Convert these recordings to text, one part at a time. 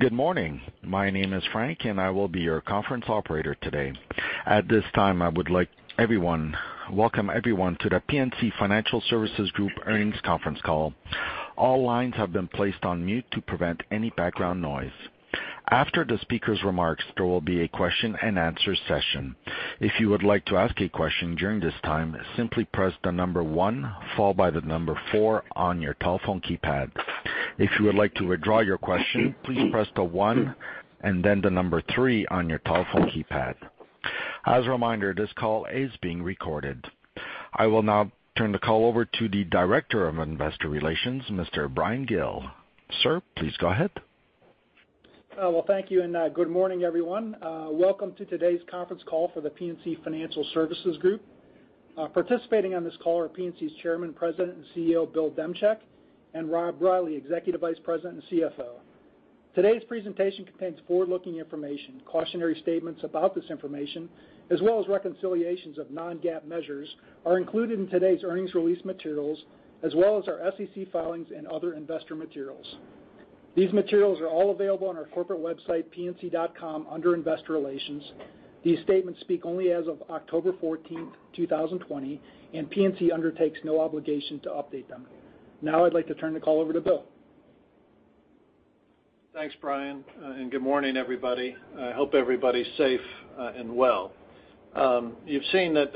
Good morning. My name is Frank, and I will be your conference operator today. At this time, I would like to welcome everyone to The PNC Financial Services Group earnings conference call. All lines have been placed on mute to prevent any background noise. After the speaker's remarks, there will be a question and answer session. If you would like to ask a question during this time, simply press the number one, followed by the number four on your telephone keypad. If you would like to withdraw your question, please press the one and then the number three on your telephone keypad. As a reminder, this call is being recorded. I will now turn the call over to the Director of Investor Relations, Mr. Bryan Gill. Sir, please go ahead. Well, thank you, and good morning, everyone. Welcome to today's conference call for The PNC Financial Services Group. Participating on this call are PNC's Chairman, President, and CEO, Bill Demchak, and Robert Reilly, Executive Vice President and CFO. Today's presentation contains forward-looking information, cautionary statements about this information, as well as reconciliations of non-GAAP measures are included in today's earnings release materials, as well as our SEC filings and other investor materials. These materials are all available on our corporate website, pnc.com, under Investor Relations. These statements speak only as of October 14th, 2020, and PNC undertakes no obligation to update them. Now I'd like to turn the call over to Bill. Thanks, Bryan. Good morning, everybody. I hope everybody's safe and well. You've seen that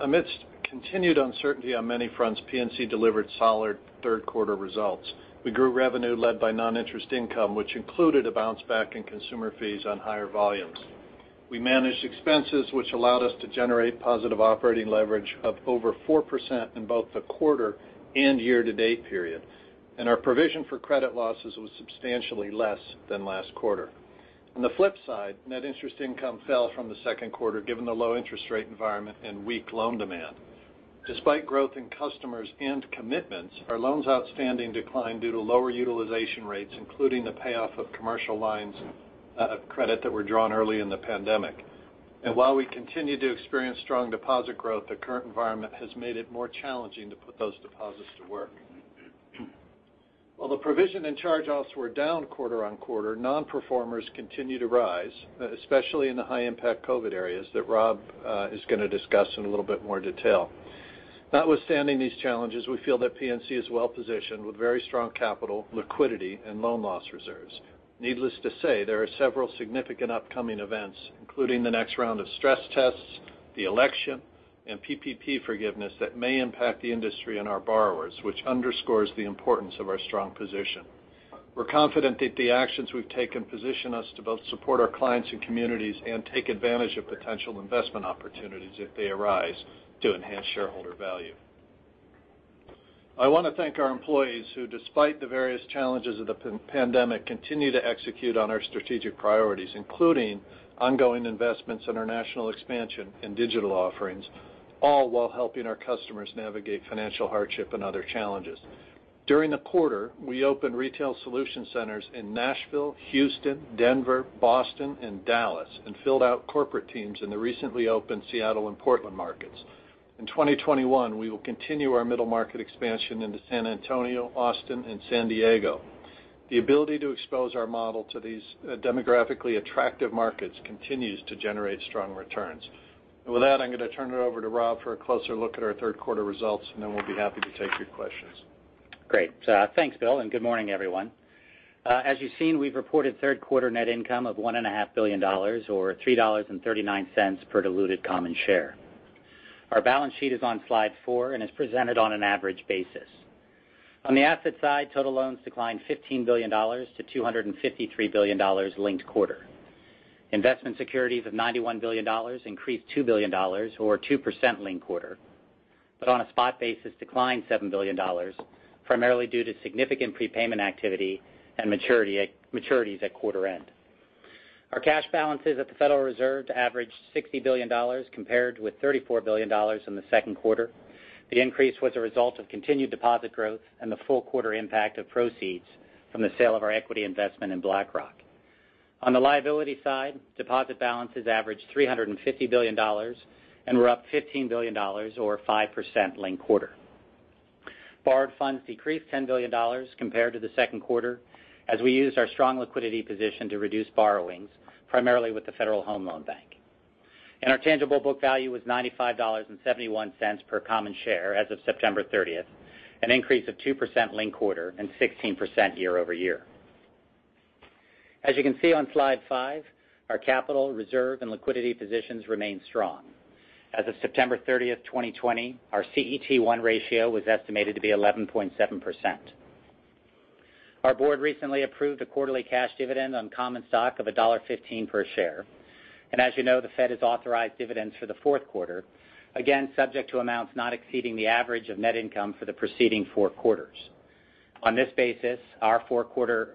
amidst continued uncertainty on many fronts, PNC delivered solid third quarter results. We grew revenue led by non-interest income, which included a bounce back in consumer fees on higher volumes. We managed expenses, which allowed us to generate positive operating leverage of over 4% in both the quarter and year-to-date period. Our provision for credit losses was substantially less than last quarter. On the flip side, net interest income fell from the second quarter, given the low interest rate environment and weak loan demand. Despite growth in customers and commitments, our loans outstanding declined due to lower utilization rates, including the payoff of commercial lines of credit that were drawn early in the pandemic. While we continue to experience strong deposit growth, the current environment has made it more challenging to put those deposits to work. While the provision and charge-offs were down quarter-on-quarter, non-performers continue to rise, especially in the high impact COVID areas that Robert is going to discuss in a little bit more detail. Notwithstanding these challenges, we feel that PNC is well-positioned with very strong capital, liquidity, and loan loss reserves. Needless to say, there are several significant upcoming events, including the next round of stress tests, the election, and PPP forgiveness that may impact the industry and our borrowers, which underscores the importance of our strong position. We're confident that the actions we've taken position us to both support our clients and communities and take advantage of potential investment opportunities if they arise to enhance shareholder value. I want to thank our employees who, despite the various challenges of the pandemic, continue to execute on our strategic priorities, including ongoing investments in our national expansion and digital offerings, all while helping our customers navigate financial hardship and other challenges. During the quarter, we opened retail solution centers in Nashville, Houston, Denver, Boston, and Dallas, and filled out corporate teams in the recently opened Seattle and Portland markets. In 2021, we will continue our middle market expansion into San Antonio, Austin, and San Diego. The ability to expose our model to these demographically attractive markets continues to generate strong returns. With that, I'm going to turn it over to Rob for a closer look at our third quarter results, and then we'll be happy to take your questions. Great. Thanks, Bill, and good morning, everyone. As you've seen, we've reported third quarter net income of $1.5 billion, or $3.39 per diluted common share. Our balance sheet is on slide four and is presented on an average basis. On the asset side, total loans declined $15 billion-$253 billion linked quarter. Investment securities of $91 billion increased $2 billion or 2% linked quarter, but on a spot basis, declined $7 billion, primarily due to significant prepayment activity and maturities at quarter end. Our cash balances at the Federal Reserve averaged $60 billion, compared with $34 billion in the second quarter. The increase was a result of continued deposit growth and the full quarter impact of proceeds from the sale of our equity investment in BlackRock. On the liability side, deposit balances averaged $350 billion, and were up $15 billion or 5% linked quarter. Borrowed funds decreased $10 billion compared to the second quarter, as we used our strong liquidity position to reduce borrowings, primarily with the Federal Home Loan Bank. Our tangible book value was $95.71 per common share as of September 30th, an increase of 2% linked quarter and 16% year-over-year. As you can see on slide five, our capital reserve and liquidity positions remain strong. As of September 30th, 2020, our CET1 ratio was estimated to be 11.7%. Our board recently approved a quarterly cash dividend on common stock of $1.15 per share. As you know, the Fed has authorized dividends for the fourth quarter, again, subject to amounts not exceeding the average of net income for the preceding four quarters. On this basis, our fourth quarter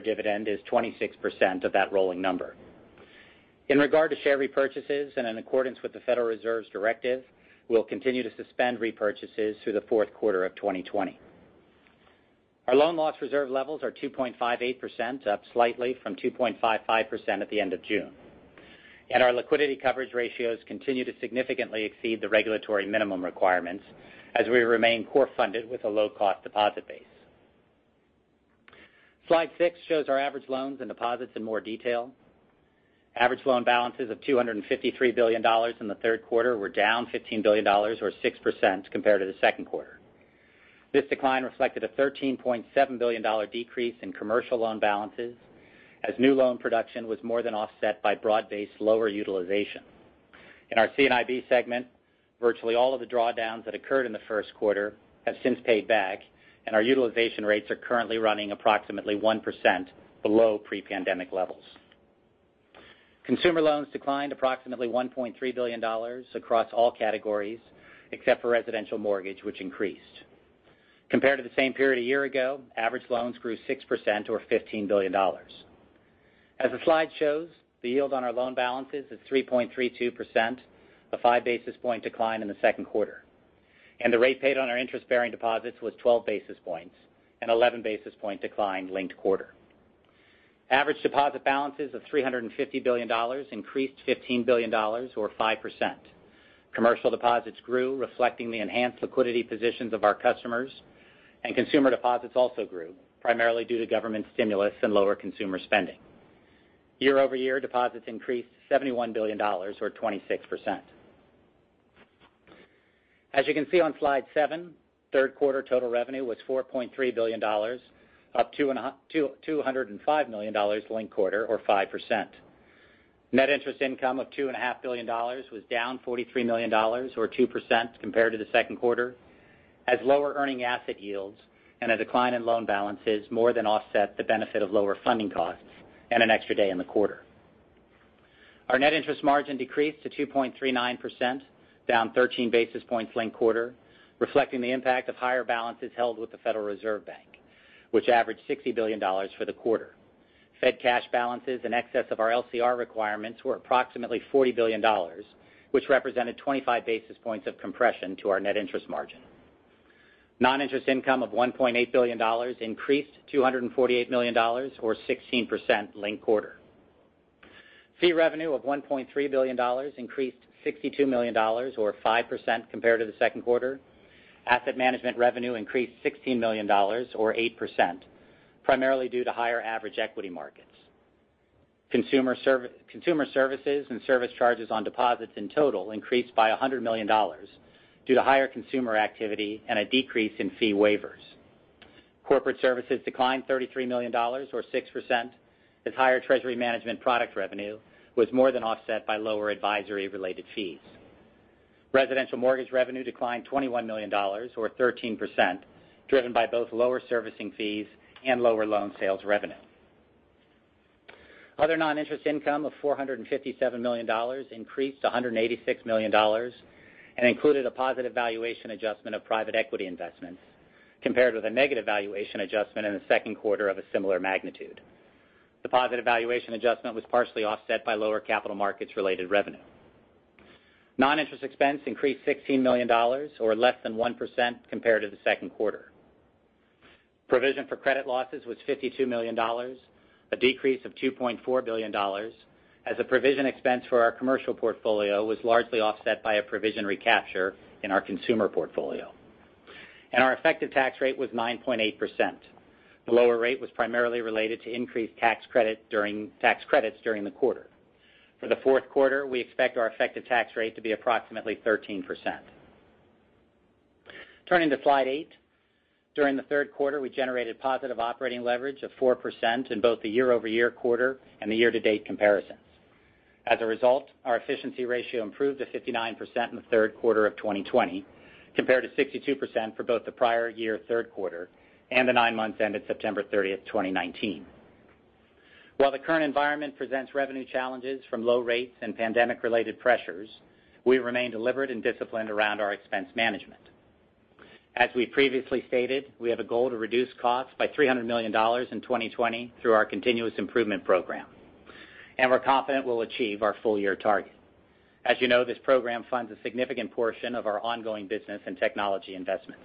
dividend is 26% of that rolling number. In regard to share repurchases and in accordance with the Federal Reserve's directive, we'll continue to suspend repurchases through the fourth quarter of 2020. Our loan loss reserve levels are 2.58%, up slightly from 2.55% at the end of June. Our liquidity coverage ratios continue to significantly exceed the regulatory minimum requirements as we remain core funded with a low-cost deposit base. Slide six shows our average loans and deposits in more detail. Average loan balances of $253 billion in the third quarter were down $15 billion, or 6%, compared to the second quarter. This decline reflected a $13.7 billion decrease in commercial loan balances as new loan production was more than offset by broad-based lower utilization. In our C&IB segment, virtually all of the drawdowns that occurred in the first quarter have since paid back, and our utilization rates are currently running approximately 1% below pre-pandemic levels. Consumer loans declined approximately $1.3 billion across all categories except for residential mortgage, which increased. Compared to the same period a year ago, average loans grew 6%, or $15 billion. As the slide shows, the yield on our loan balances is 3.32%, a five-basis point decline in the second quarter. The rate paid on our interest-bearing deposits was 12 basis points, an 11-basis point decline linked quarter. Average deposit balances of $350 billion increased $15 billion, or 5%. Commercial deposits grew, reflecting the enhanced liquidity positions of our customers. Consumer deposits also grew, primarily due to government stimulus and lower consumer spending. Year over year, deposits increased $71 billion or 26%. As you can see on slide seven, third quarter total revenue was $4.3 billion, up $205 million linked quarter, or 5%. Net interest income of two and a half billion dollars was down $43 million, or 2%, compared to the second quarter, as lower earning asset yields and a decline in loan balances more than offset the benefit of lower funding costs and an extra day in the quarter. Our net interest margin decreased to 2.39%, down 13 basis points linked-quarter, reflecting the impact of higher balances held with the Federal Reserve Bank, which averaged $60 billion for the quarter. Fed cash balances in excess of our LCR requirements were approximately $40 billion, which represented 25 basis points of compression to our net interest margin. Non-interest income of $1.8 billion increased $248 million, or 16%, linked-quarter. Fee revenue of $1.3 billion increased $62 million or 5% compared to the second quarter. Asset management revenue increased $16 million or 8%, primarily due to higher average equity markets. Consumer services and service charges on deposits in total increased by $100 million due to higher consumer activity and a decrease in fee waivers. Corporate services declined $33 million or 6% as higher treasury management product revenue was more than offset by lower advisory related fees. Residential mortgage revenue declined $21 million, or 13%, driven by both lower servicing fees and lower loan sales revenue. Other non-interest income of $457 million increased $186 million and included a positive valuation adjustment of private equity investments, compared with a negative valuation adjustment in the second quarter of a similar magnitude. The positive valuation adjustment was partially offset by lower capital markets related revenue. Non-interest expense increased $16 million or less than 1% compared to the second quarter. Provision for credit losses was $52 million, a decrease of $2.4 billion, as a provision expense for our commercial portfolio was largely offset by a provision recapture in our consumer portfolio. Our effective tax rate was 9.8%. The lower rate was primarily related to increased tax credits during the quarter. For the fourth quarter, we expect our effective tax rate to be approximately 13%. Turning to slide eight. During the third quarter, we generated positive operating leverage of 4% in both the year-over-year quarter and the year-to-date comparisons. As a result, our efficiency ratio improved to 59% in the third quarter of 2020, compared to 62% for both the prior year third quarter and the nine months ended September 30th, 2019. While the current environment presents revenue challenges from low rates and pandemic related pressures, we remain deliberate and disciplined around our expense management. As we previously stated, we have a goal to reduce costs by $300 million in 2020 through our continuous improvement program, and we're confident we'll achieve our full-year target. As you know, this program funds a significant portion of our ongoing business and technology investments.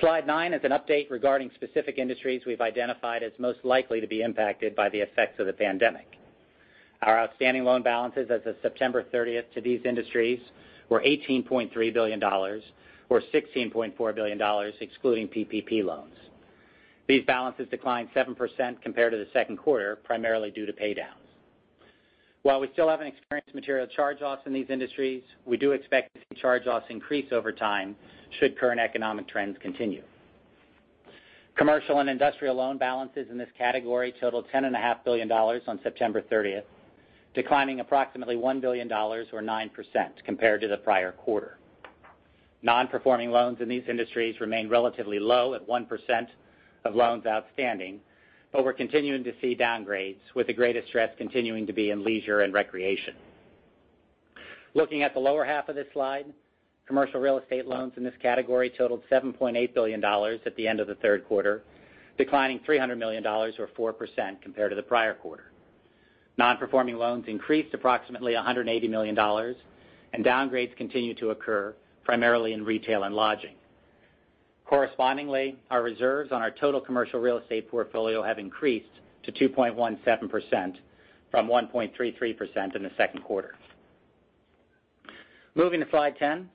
Slide 9 is an update regarding specific industries we've identified as most likely to be impacted by the effects of the pandemic. Our outstanding loan balances as of September 30th to these industries were $18.3 billion, or $16.4 billion excluding PPP loans. These balances declined 7% compared to the second quarter, primarily due to pay downs. While we still haven't experienced material charge-offs in these industries, we do expect to see charge-offs increase over time should current economic trends continue. Commercial and industrial loan balances in this category totaled ten and a half billion dollars on September 30th, declining approximately one billion dollars or 9% compared to the prior quarter. Non-performing loans in these industries remain relatively low at 1% of loans outstanding, but we're continuing to see downgrades, with the greatest stress continuing to be in leisure and recreation. Looking at the lower half of this slide, commercial real estate loans in this category totaled $7.8 billion at the end of the third quarter, declining $300 million or 4% compared to the prior quarter. Non-performing loans increased approximately $180 million, downgrades continue to occur, primarily in retail and lodging. Correspondingly, our reserves on our total commercial real estate portfolio have increased to 2.17%, from 1.33% in the second quarter. Moving to slide 10.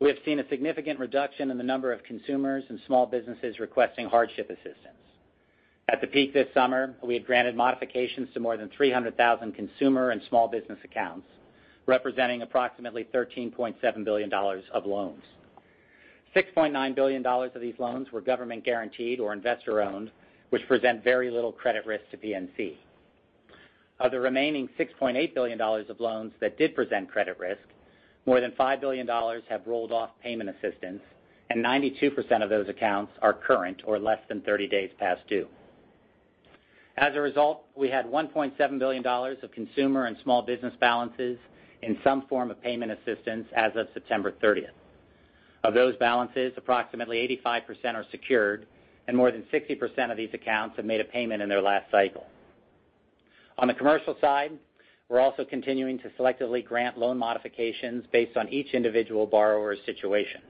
We have seen a significant reduction in the number of consumers and small businesses requesting hardship assistance. At the peak this summer, we had granted modifications to more than 300,000 consumer and small business accounts, representing approximately $13.7 billion of loans. $6.9 billion of these loans were government guaranteed or investor-owned, which present very little credit risk to PNC. Of the remaining $6.8 billion of loans that did present credit risk, more than $5 billion have rolled off payment assistance, and 92% of those accounts are current or less than 30 days past due. As a result, we had $1.7 billion of consumer and small business balances in some form of payment assistance as of September 30th. Of those balances, approximately 85% are secured, and more than 60% of these accounts have made a payment in their last cycle. On the commercial side, we're also continuing to selectively grant loan modifications based on each individual borrower's situation.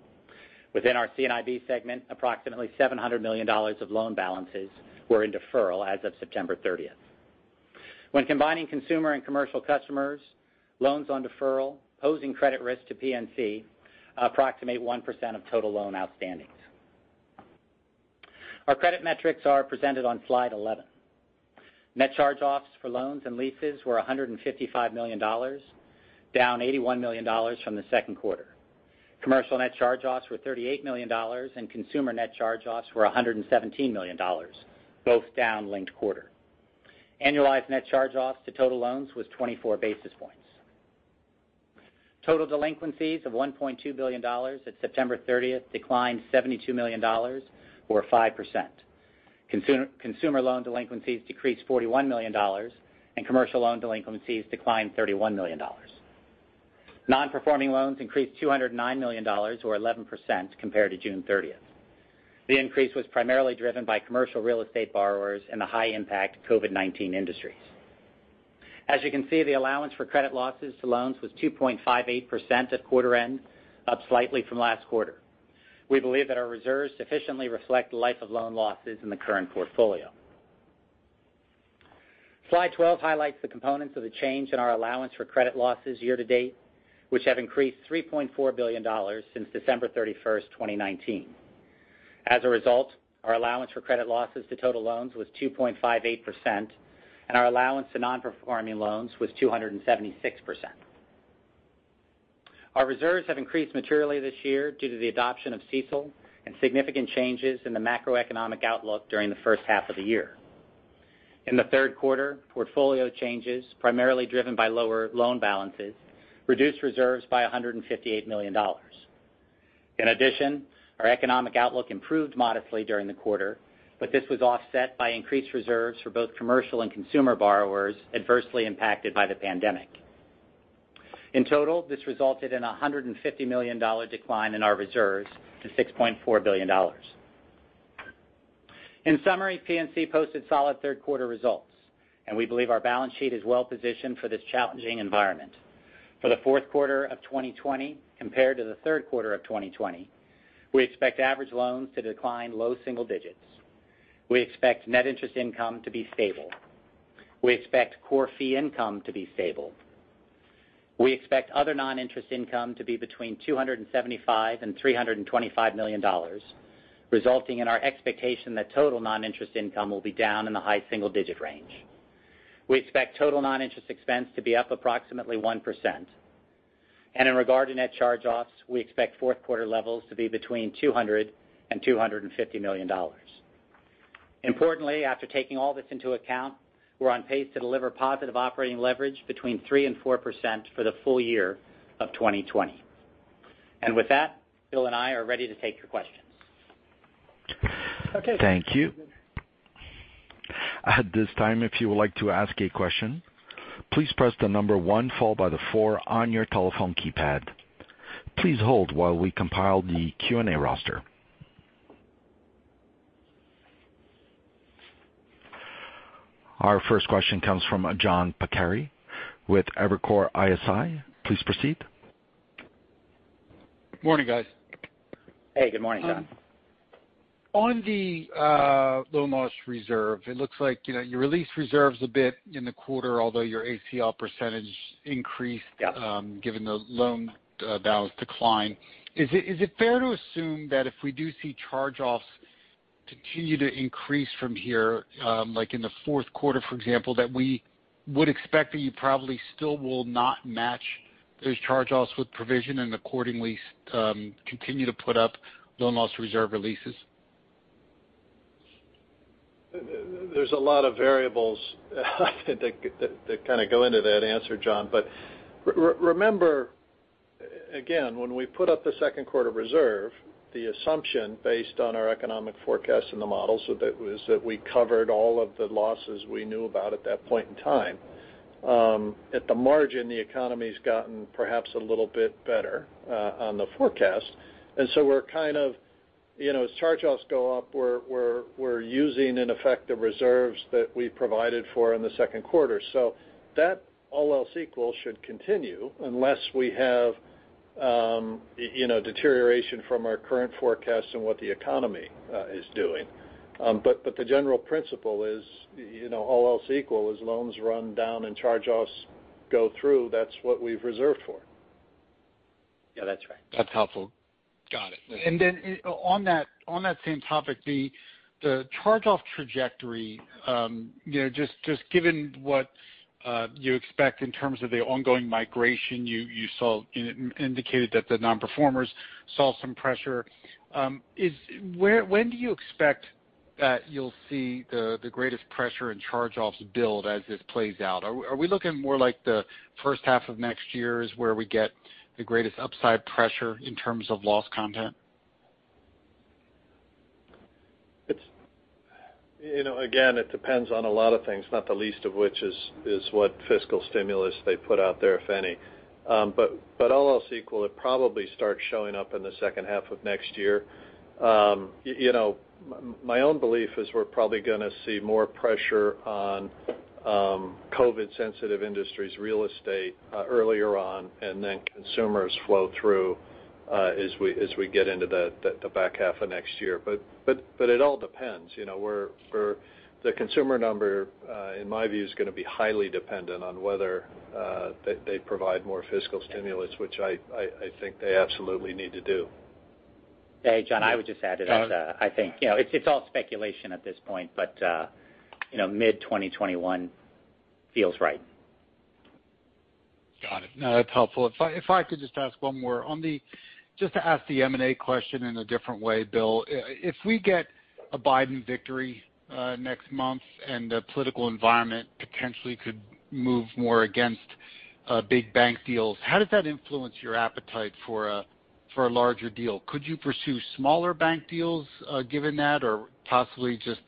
Within our C&IB segment, approximately $700 million of loan balances were in deferral as of September 30th. When combining consumer and commercial customers, loans on deferral posing credit risk to PNC are approximate 1% of total loan outstandings. Our credit metrics are presented on Slide 11. Net charge-offs for loans and leases were $155 million, down $81 million from the second quarter. Commercial net charge-offs were $38 million, and consumer net charge-offs were $117 million, both down linked quarter. Annualized net charge-offs to total loans was 24 basis points. Total delinquencies of $1.2 billion at September 30th declined $72 million or 5%. Consumer loan delinquencies decreased $41 million, and commercial loan delinquencies declined $31 million. Non-performing loans increased $209 million or 11% compared to June 30th. The increase was primarily driven by commercial real estate borrowers in the high impact COVID-19 industries. As you can see, the allowance for credit losses to loans was 2.58% at quarter end, up slightly from last quarter. We believe that our reserves sufficiently reflect the life of loan losses in the current portfolio. Slide 12 highlights the components of the change in our allowance for credit losses year to date, which have increased $3.4 billion since December 31st, 2019. As a result, our allowance for credit losses to total loans was 2.58%, and our allowance to non-performing loans was 276%. Our reserves have increased materially this year due to the adoption of CECL and significant changes in the macroeconomic outlook during the first half of the year. In the third quarter, portfolio changes, primarily driven by lower loan balances, reduced reserves by $158 million. Our economic outlook improved modestly during the quarter, but this was offset by increased reserves for both commercial and consumer borrowers adversely impacted by the pandemic. This resulted in $150 million decline in our reserves to $6.4 billion. PNC posted solid third quarter results, and we believe our balance sheet is well-positioned for this challenging environment. For the fourth quarter of 2020 compared to the third quarter of 2020, we expect average loans to decline low single digits. We expect net interest income to be stable. We expect core fee income to be stable. We expect other non-interest income to be between $275 and $325 million, resulting in our expectation that total non-interest income will be down in the high single-digit range. We expect total non-interest expense to be up approximately 1%. In regard to net charge-offs, we expect fourth quarter levels to be between $200 and $250 million. Importantly, after taking all this into account, we're on pace to deliver positive operating leverage between 3% and 4% for the full year of 2020. With that, Bill and I are ready to take your questions. Okay. Thank you. Our first question comes from John Pancari with Evercore ISI. Please proceed. Morning, guys. Hey, good morning, John. On the loan loss reserve, it looks like your released reserves a bit in the quarter, although your ACL percentage increased. Yeah Given the loan balance decline, is it fair to assume that if we do see charge-offs continue to increase from here, like in the fourth quarter, for example, that we would expect that you probably still will not match those charge-offs with provision and accordingly continue to put up loan loss reserve releases? There's a lot of variables that kind of go into that answer, John. Remember, again, when we put up the second quarter reserve, the assumption based on our economic forecast in the models was that we covered all of the losses we knew about at that point in time. At the margin, the economy's gotten perhaps a little bit better on the forecast. We're kind of, as charge-offs go up, we're using ineffective reserves that we provided for in the second quarter. That, all else equal, should continue unless deterioration from our current forecast and what the economy is doing. The general principle is, all else equal, as loans run down and charge-offs go through, that's what we've reserved for. Yeah, that's right. That's helpful. Got it. Then on that same topic, the charge-off trajectory, just given what you expect in terms of the ongoing migration you indicated that the non-performers saw some pressure. When do you expect that you'll see the greatest pressure in charge-offs build as this plays out? Are we looking more like the first half of next year is where we get the greatest upside pressure in terms of loss content? Again, it depends on a lot of things, not the least of which is what fiscal stimulus they put out there, if any. All else equal, it probably starts showing up in the second half of next year. My own belief is we're probably going to see more pressure on COVID-sensitive industries, real estate, earlier on, and then consumers flow through as we get into the back half of next year. It all depends. The consumer number, in my view, is going to be highly dependent on whether they provide more fiscal stimulus, which I think they absolutely need to do. Hey, John, I would just add to that. I think it's all speculation at this point, but mid-2021 feels right. Got it. No, that's helpful. If I could just ask one more. Just to ask the M&A question in a different way, Bill, if we get a Biden victory next month and the political environment potentially could move more against big bank deals, how does that influence your appetite for a larger deal? Could you pursue smaller bank deals given that, or possibly just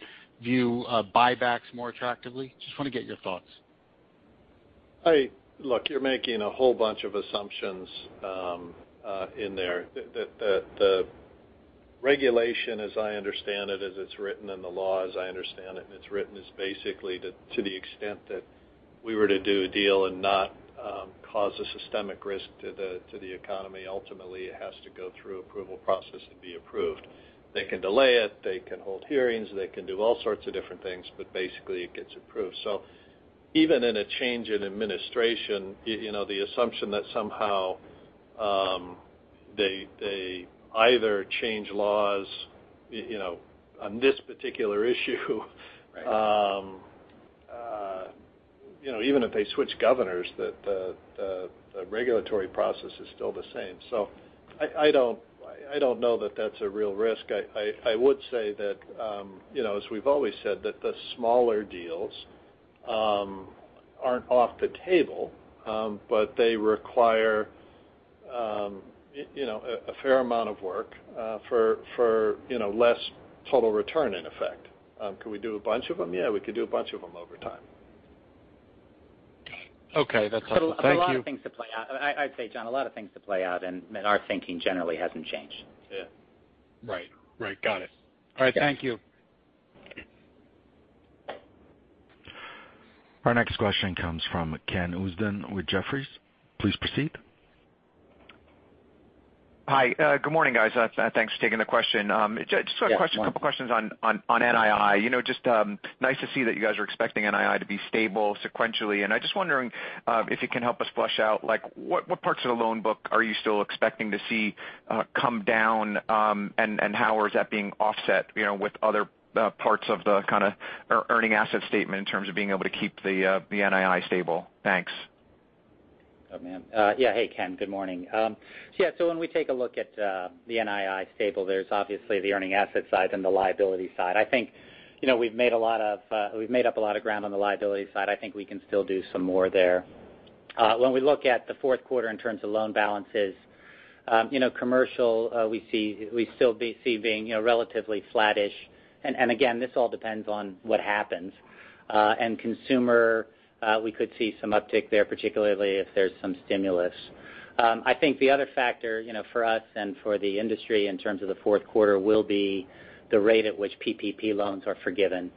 view buybacks more attractively? Just want to get your thoughts. Look, you're making a whole bunch of assumptions in there. The regulation, as I understand it, as it's written in the law, as I understand it, and it's written is basically to the extent that if we were to do a deal and not cause a systemic risk to the economy, ultimately it has to go through approval process and be approved. They can delay it. They can hold hearings. They can do all sorts of different things, but basically it gets approved. Even in a change in administration, the assumption that somehow they either change laws on this particular issue. Right. Even if they switch governors, the regulatory process is still the same. I don't know that that's a real risk. I would say that, as we've always said, that the smaller deals aren't off the table, but they require a fair amount of work for less total return in effect. Could we do a bunch of them? Yeah, we could do a bunch of them over time. Okay. That's helpful. Thank you. A lot of things to play out. I'd say, John, a lot of things to play out. Our thinking generally hasn't changed. Yeah. Right. Got it. All right. Thank you. Our next question comes from Ken Usdin with Jefferies. Please proceed. Hi. Good morning, guys. Thanks for taking the question. Yeah. Just a couple questions on NII. Just nice to see that you guys are expecting NII to be stable sequentially. I'm just wondering if you can help us flush out what parts of the loan book are you still expecting to see come down, and how is that being offset with other parts of the earning asset statement in terms of being able to keep the NII stable? Thanks. Yeah. Hey, Ken. Good morning. Yeah, so when we take a look at the NII stable, there's obviously the earning asset side and the liability side. I think we've made up a lot of ground on the liability side. I think we can still do some more there. When we look at the fourth quarter in terms of loan balances, commercial, we still see being relatively flattish. Again, this all depends on what happens. Consumer, we could see some uptick there, particularly if there's some stimulus. I think the other factor for us and for the industry in terms of the fourth quarter will be the rate at which PPP loans are forgiven.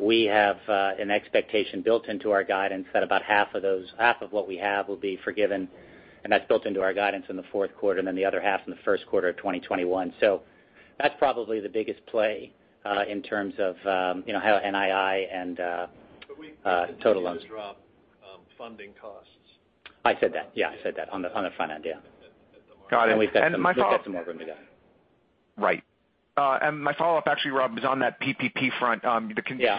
We have an expectation built into our guidance that about half of what we have will be forgiven, and that's built into our guidance in the fourth quarter, and then the other half in the first quarter of 2021. That's probably the biggest play in terms of how NII and total loans. we continue to drop funding costs. I said that. Yeah, I said that on the front end, yeah. At the margin. Got it. My follow-up. we've got some more room to go. Right. My follow-up actually, Rob, is on that PPP front. Yeah.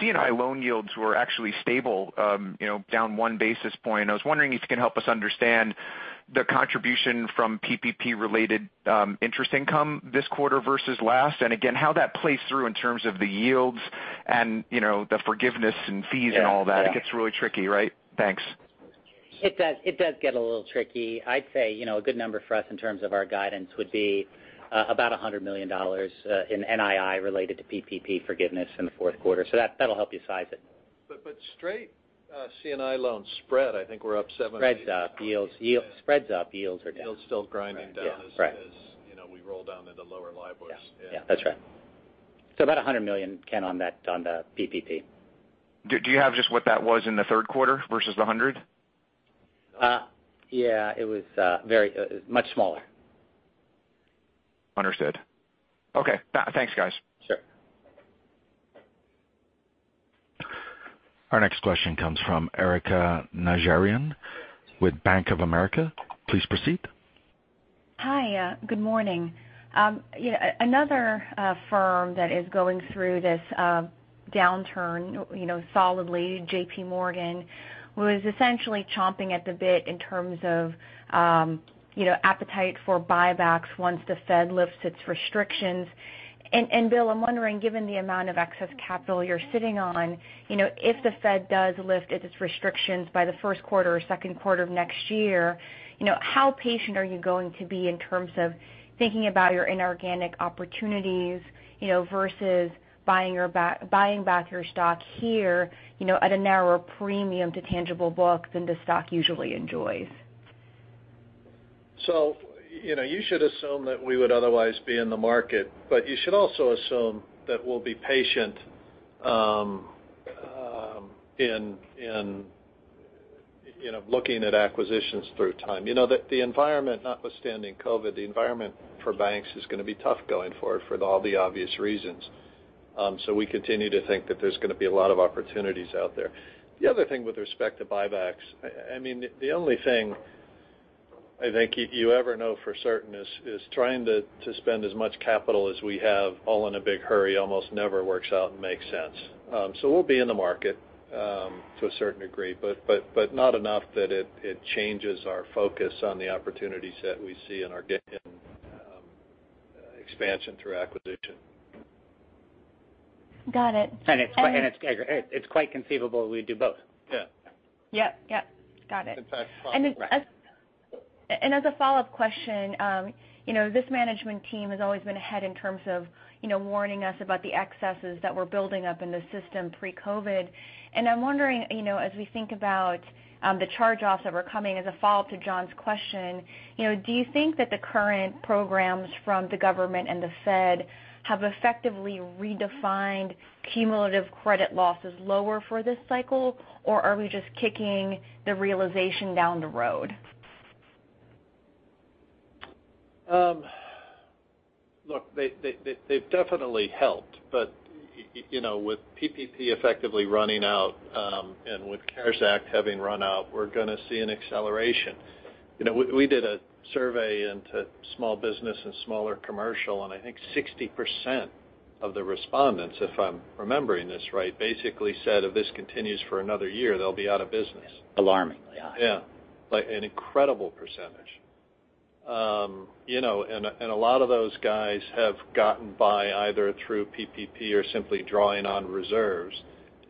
The C&I loan yields were actually stable down one basis point. I was wondering if you can help us understand the contribution from PPP-related interest income this quarter versus last, and again, how that plays through in terms of the yields and the forgiveness and fees and all that. Yeah. It gets really tricky, right? Thanks. It does get a little tricky. I'd say a good number for us in terms of our guidance would be about $100 million in NII related to PPP forgiveness in the fourth quarter. That'll help you size it. Straight C&I loans spread, I think we're up seven or eight. Spreads up, yields are down. Yields still grinding down Right as we roll down into lower LIBORs. Yeah. That's right. About $100 million, Ken, on the PPP. Do you have just what that was in the third quarter versus the 100? Yeah. It was much smaller. Understood. Okay. Thanks, guys. Sure. Our next question comes from Erika Najarian with Bank of America. Please proceed. Hi. Good morning. Another firm that is going through this downturn solidly, JPMorgan, was essentially chomping at the bit in terms of appetite for buybacks once the Fed lifts its restrictions. Bill, I'm wondering, given the amount of excess capital you're sitting on, if the Fed does lift its restrictions by the first quarter or second quarter of next year, how patient are you going to be in terms of thinking about your inorganic opportunities versus buying back your stock here at a narrower premium to tangible books than the stock usually enjoys? You should assume that we would otherwise be in the market, but you should also assume that we'll be patient in looking at acquisitions through time. The environment, notwithstanding COVID, the environment for banks is going to be tough going forward for all the obvious reasons. We continue to think that there's going to be a lot of opportunities out there. The other thing with respect to buybacks, the only thing I think you ever know for certain is trying to spend as much capital as we have all in a big hurry almost never works out and makes sense. We'll be in the market to a certain degree, but not enough that it changes our focus on the opportunities that we see in our expansion through acquisition. Got it. It's quite conceivable we'd do both. Yeah. Yep. Got it. If that's possible. as a follow-up question, this management team has always been ahead in terms of warning us about the excesses that were building up in the system pre-COVID. I'm wondering, as we think about the charge-offs that were coming as a follow-up to John's question, do you think that the current programs from the government and the Fed have effectively redefined cumulative credit losses lower for this cycle? are we just kicking the realization down the road? Look, they've definitely helped. With PPP effectively running out, and with CARES Act having run out, we're going to see an acceleration. We did a survey into small business and smaller commercial, and I think 60% of the respondents, if I'm remembering this right, basically said if this continues for another year, they'll be out of business. Alarmingly high. Yeah. An incredible percentage. A lot of those guys have gotten by either through PPP or simply drawing on reserves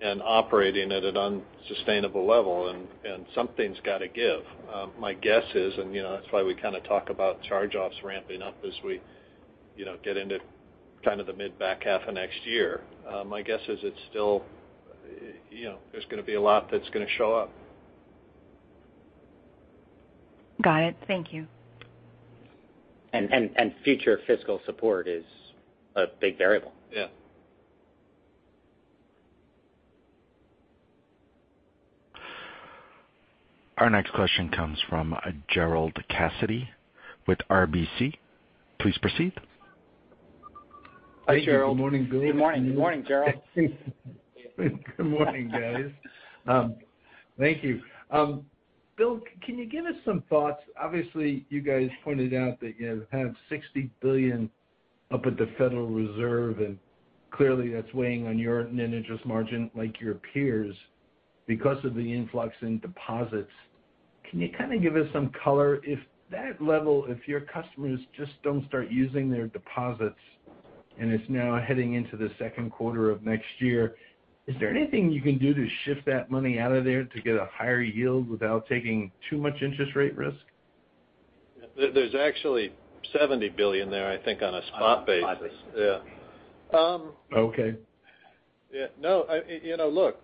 and operating at an unsustainable level, and something's got to give. My guess is, that's why we kind of talk about charge-offs ramping up as we get into the mid-back half of next year. My guess is there's going to be a lot that's going to show up. Got it. Thank you. Future fiscal support is a big variable. Yeah. Our next question comes from Gerard Cassidy with RBC. Please proceed. Hi, Gerard. Good morning, Bill. Good morning, Gerard. Good morning, guys. Thank you. Bill, can you give us some thoughts? Obviously, you guys pointed out that you have $60 billion up at the Federal Reserve, and clearly that's weighing on your net interest margin like your peers because of the influx in deposits. Can you kind of give us some color if that level, if your customers just don't start using their deposits, and it's now heading into the second quarter of next year, is there anything you can do to shift that money out of there to get a higher yield without taking too much interest rate risk? There's actually $70 billion there, I think, on a spot basis. On a spot basis. Yeah. Okay. Look,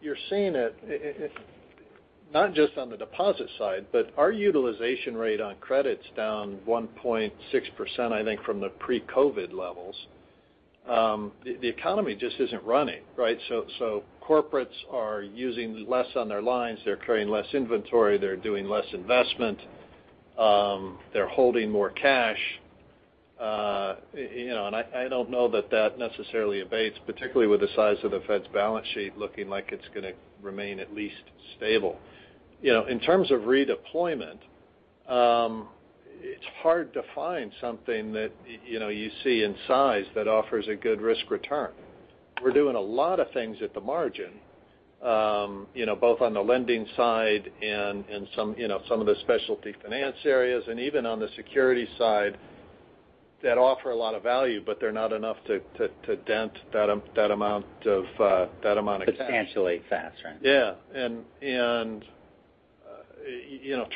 you're seeing it not just on the deposit side, but our utilization rate on credit's down 1.6%, I think, from the pre-COVID-19 levels. The economy just isn't running, right? Corporates are using less on their lines. They're carrying less inventory. They're doing less investment. They're holding more cash. I don't know that that necessarily abates, particularly with the size of the Fed's balance sheet looking like it's going to remain at least stable. In terms of redeployment, it's hard to find something that you see in size that offers a good risk return. We're doing a lot of things at the margin, both on the lending side and some of the specialty finance areas, and even on the security side that offer a lot of value, but they're not enough to dent that amount of cash. Substantially faster. Yeah.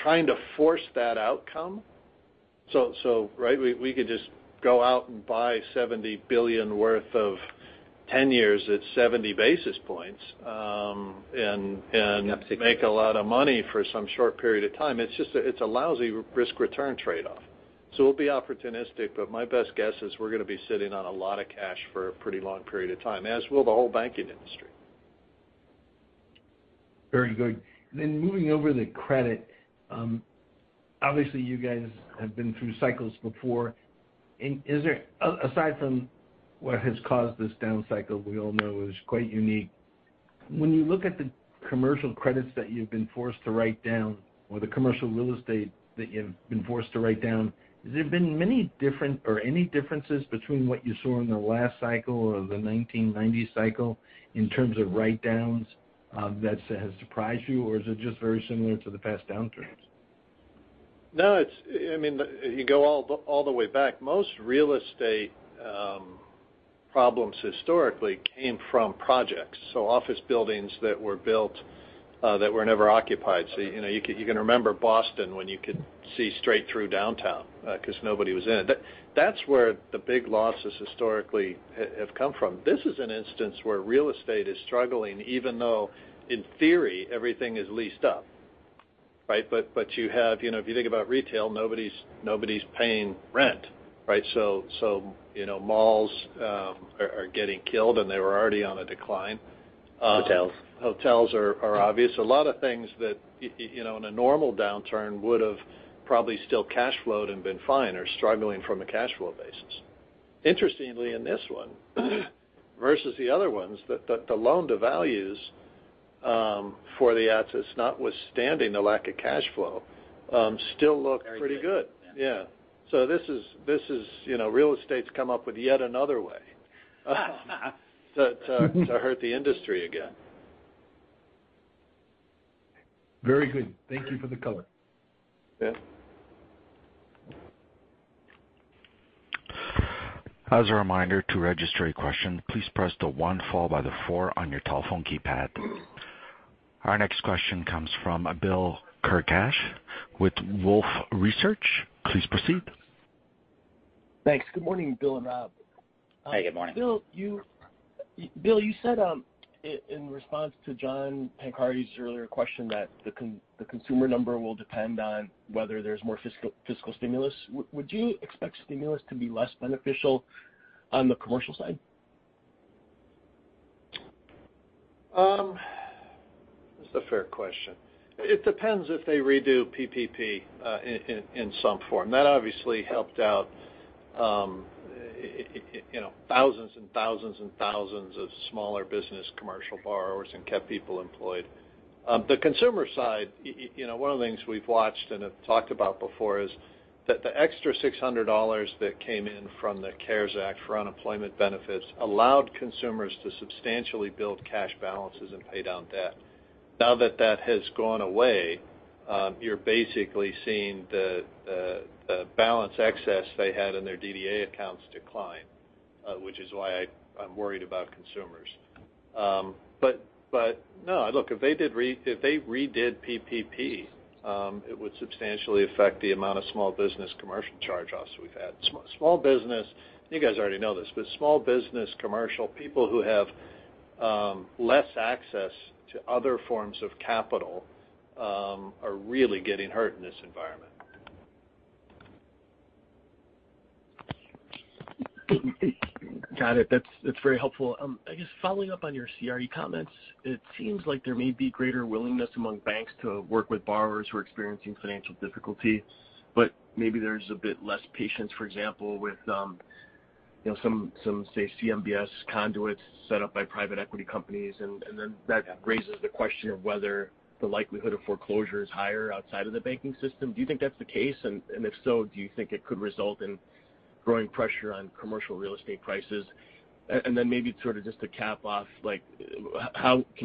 Trying to force that outcome, we could just go out and buy $70 billion worth of 10 years at 70 basis points. Yeah. Make a lot of money for some short period of time. It's a lousy risk return trade-off. We'll be opportunistic, but my best guess is we're going to be sitting on a lot of cash for a pretty long period of time, as will the whole banking industry. Very good. Moving over to credit. Obviously, you guys have been through cycles before. Aside from what has caused this down cycle, we all know is quite unique. When you look at the commercial credits that you've been forced to write down or the commercial real estate that you've been forced to write down, has there been any differences between what you saw in the last cycle or the 1990s cycle in terms of write-downs that has surprised you, or is it just very similar to the past downturns? No. You go all the way back. Most real estate problems historically came from projects. Office buildings that were built that were never occupied. You can remember Boston when you could see straight through downtown because nobody was in it. That's where the big losses historically have come from. This is an instance where real estate is struggling even though in theory, everything is leased up. If you think about retail, nobody's paying rent, right? Malls are getting killed, and they were already on a decline. Hotels. Hotels are obvious. A lot of things that in a normal downturn would have probably still cash flowed and been fine, are struggling from a cash flow basis. Interestingly, in this one versus the other ones, the loan devalues for the assets, notwithstanding the lack of cash flow, still look pretty good. Very good. Yeah. Yeah. Real estate's come up with yet another way to hurt the industry again. Very good. Thank you for the color. Yeah. Our next question comes from Bill Carcache with Wolfe Research. Please proceed. Thanks. Good morning, Bill and Rob. Hey, good morning. Bill, you said in response to John Pancari's earlier question that the consumer number will depend on whether there's more fiscal stimulus. Would you expect stimulus to be less beneficial on the commercial side? That's a fair question. It depends if they redo PPP in some form. That obviously helped out thousands and thousands of smaller business commercial borrowers and kept people employed. The consumer side, one of the things we've watched and have talked about before is that the extra $600 that came in from the CARES Act for unemployment benefits allowed consumers to substantially build cash balances and pay down debt. Now that that has gone away, you're basically seeing the balance excess they had in their DDA accounts decline, which is why I'm worried about consumers. No. Look, if they redid PPP, it would substantially affect the amount of small business commercial charge-offs we've had. You guys already know this, but small business commercial people who have less access to other forms of capital are really getting hurt in this environment. Got it. That's very helpful. I guess following up on your CRE comments, it seems like there may be greater willingness among banks to work with borrowers who are experiencing financial difficulty, but maybe there's a bit less patience, for example, with some, say, CMBS conduits set up by private equity companies. That raises the question of whether the likelihood of foreclosure is higher outside of the banking system. Do you think that's the case? If so, do you think it could result in growing pressure on commercial real estate prices? Maybe sort of just to cap off, can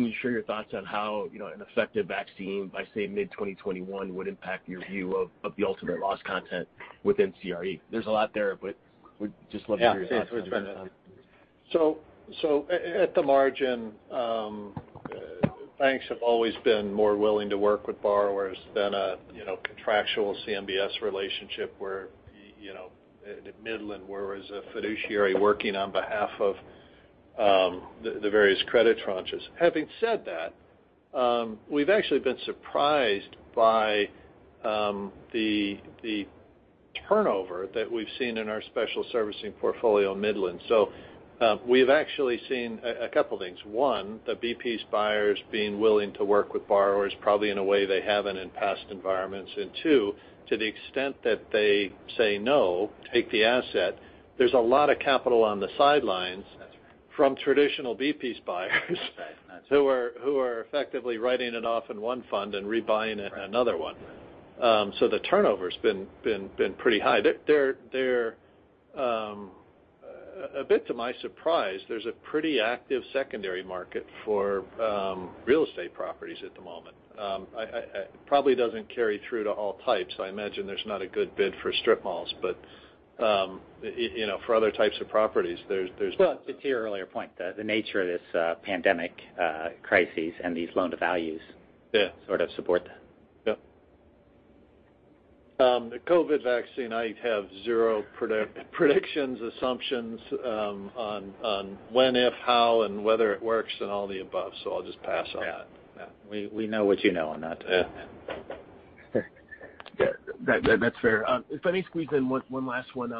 you share your thoughts on how an effective vaccine by, say, mid 2021 would impact your view of the ultimate loss content within CRE? There's a lot there, but would just love to hear your thoughts on that. At the margin, banks have always been more willing to work with borrowers than a contractual CMBS relationship where Midland, where as a fiduciary working on behalf of the various credit tranches. Having said that, we've actually been surprised by the turnover that we've seen in our special servicing portfolio in Midland. We've actually seen a couple things. One, the B-piece buyers being willing to work with borrowers probably in a way they haven't in past environments. Two, to the extent that they say, no, take the asset. There's a lot of capital on the sidelines- That's right. from traditional B-piece buyers. Right. Who are effectively writing it off in one fund and rebuying another one. The turnover's been pretty high. A bit to my surprise, there's a pretty active secondary market for real estate properties at the moment. Probably doesn't carry through to all types. I imagine there's not a good bid for strip malls. For other types of properties, there's Well, to your earlier point, the nature of this pandemic crisis and these loan-to-values. Yeah sort of support that. Yeah. The COVID vaccine, I have zero predictions, assumptions on when, if, how, and whether it works and all the above. I'll just pass on that. Yeah. We know what you know on that. That's fair. If I may squeeze in one last one.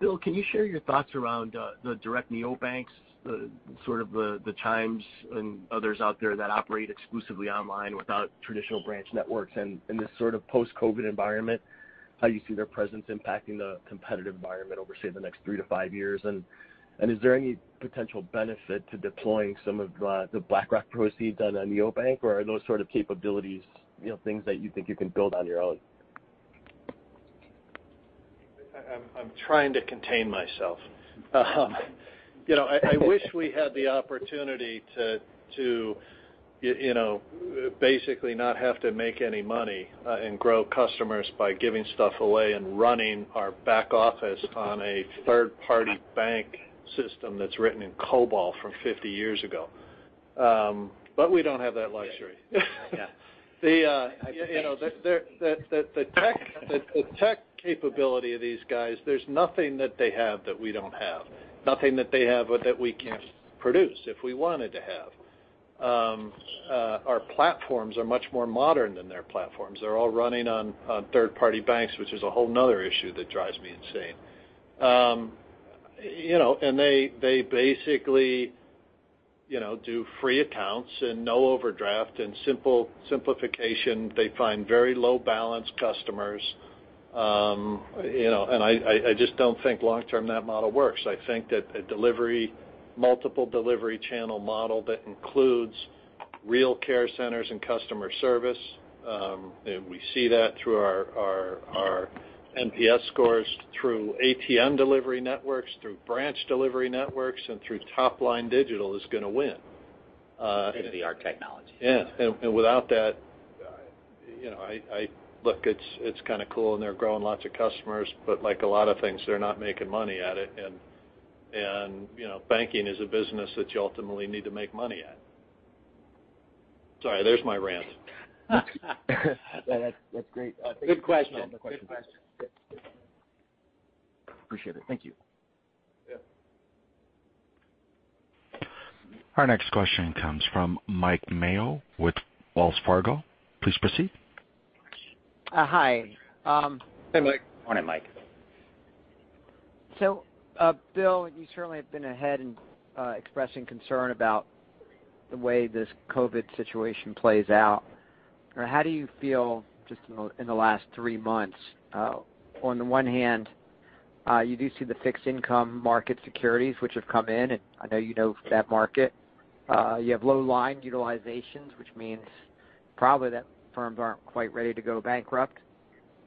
Bill, can you share your thoughts around the direct neobanks, the Chime and others out there that operate exclusively online without traditional branch networks. In this post-COVID environment, how you see their presence impacting the competitive environment over, say, the next three to five years. Is there any potential benefit to deploying some of the BlackRock proceeds on a neobank, or are those sort of capabilities things that you think you can build on your own? I'm trying to contain myself. I wish we had the opportunity to basically not have to make any money and grow customers by giving stuff away and running our back office on a third-party bank system that's written in COBOL from 50 years ago. We don't have that luxury. Yeah. The tech capability of these guys, there's nothing that they have that we don't have. Nothing that they have that we can't produce if we wanted to have. Our platforms are much more modern than their platforms. They're all running on third-party banks, which is a whole other issue that drives me insane. They basically do free accounts and no overdraft and simplification. They find very low balance customers. I just don't think long-term that model works. I think that a multiple delivery channel model that includes real care centers and customer service, and we see that through our NPS scores, through ATM delivery networks, through branch delivery networks, and through top-line digital is going to win. State-of-the-art technology. Yeah. Without that look, it's kind of cool, and they're growing lots of customers, but like a lot of things, they're not making money at it. Banking is a business that you ultimately need to make money at. Sorry, there's my rant. That's great. Good question. Good question. Appreciate it. Thank you. Yeah. Our next question comes from Mike Mayo with Wells Fargo. Please proceed. Hi. Hey, Mike. Morning, Mike. Bill, you certainly have been ahead in expressing concern about the way this COVID situation plays out. How do you feel just in the last three months? On the one hand, you do see the fixed-income market securities which have come in, and I know you know that market. You have low line utilizations, which means probably that firms aren't quite ready to go bankrupt.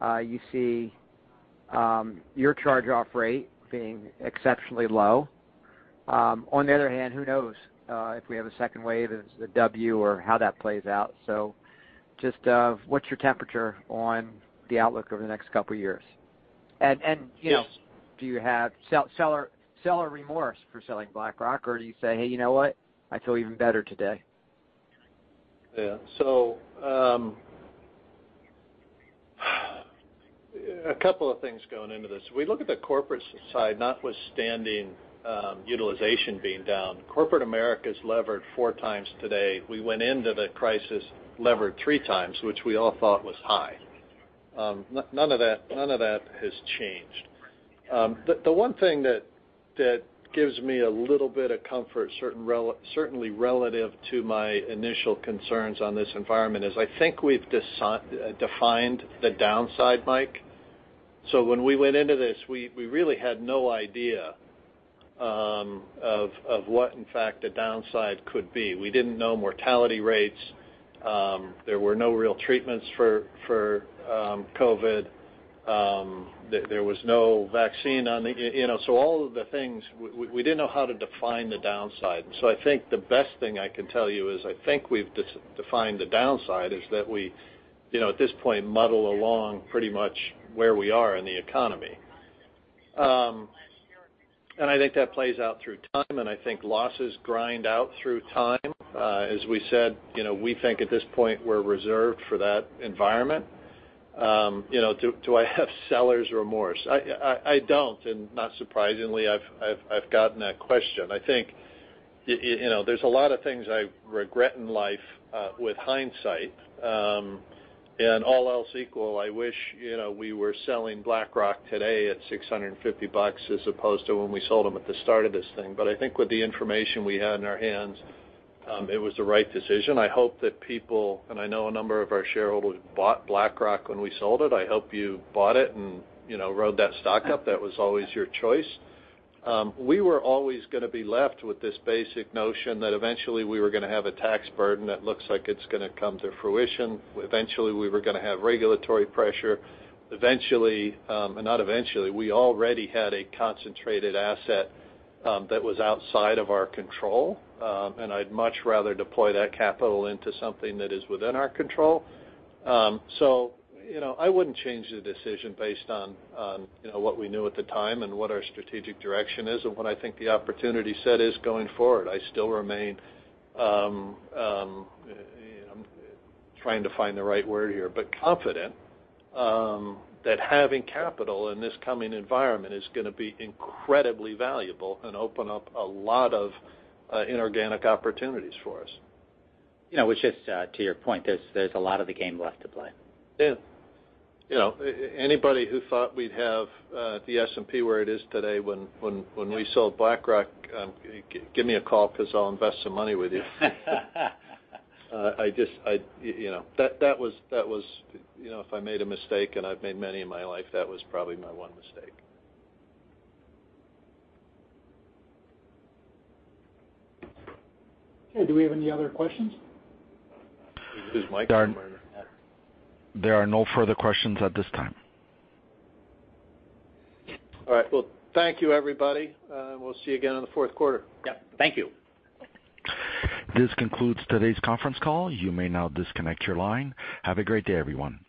You see your charge-off rate being exceptionally low. On the other hand, who knows if we have a second wave, there's the W, or how that plays out. just what's your temperature on the outlook over the next couple of years? Yes Do you have seller remorse for selling BlackRock, or do you say, "Hey, you know what? I feel even better today? Yeah. A couple of things going into this. We look at the corporate side, notwithstanding utilization being down. Corporate America's levered four times today. We went into the crisis levered three times, which we all thought was high. None of that has changed. The one thing that gives me a little bit of comfort, certainly relative to my initial concerns on this environment, is I think we've defined the downside, Mike. When we went into this, we really had no idea of what in fact the downside could be. We didn't know mortality rates. There were no real treatments for COVID. There was no vaccine on the So all of the things, we didn't know how to define the downside. I think the best thing I can tell you is, I think we've defined the downside, is that we, at this point, muddle along pretty much where we are in the economy. I think that plays out through time, and I think losses grind out through time. As we said, we think at this point we're reserved for that environment. Do I have seller's remorse? I don't, and not surprisingly, I've gotten that question. I think there's a lot of things I regret in life with hindsight. All else equal, I wish we were selling BlackRock today at 650 bucks as opposed to when we sold them at the start of this thing. I think with the information we had in our hands, it was the right decision. I hope that people, and I know a number of our shareholders bought BlackRock when we sold it. I hope you bought it and rode that stock up. That was always your choice. We were always going to be left with this basic notion that eventually we were going to have a tax burden that looks like it's going to come to fruition. Eventually, we were going to have regulatory pressure. Eventually, and not eventually, we already had a concentrated asset that was outside of our control. I'd much rather deploy that capital into something that is within our control. I wouldn't change the decision based on what we knew at the time and what our strategic direction is and what I think the opportunity set is going forward. I still remain, I'm trying to find the right word here, but confident that having capital in this coming environment is going to be incredibly valuable and open up a lot of inorganic opportunities for us. Which just to your point, there's a lot of the game left to play. Yeah. Anybody who thought we'd have the S&P where it is today when we sold BlackRock, give me a call because I'll invest some money with you. If I made a mistake, and I've made many in my life, that was probably my one mistake. Okay, do we have any other questions? You lose Mike somewhere in there. There are no further questions at this time. All right. Well, thank you, everybody. We'll see you again in the fourth quarter. Yep. Thank you. This concludes today's conference call. You may now disconnect your line. Have a great day, everyone.